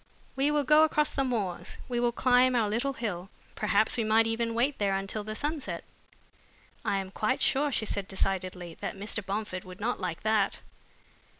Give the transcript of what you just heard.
We will go across the moors, we will climb our little hill. Perhaps we might even wait there until the sunset." "I am quite sure," she said decidedly, "that Mr. Bomford would not like that."